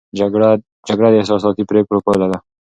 جګړه د احساساتي پرېکړو پایله ده.